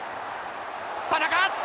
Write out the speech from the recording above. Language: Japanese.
田中。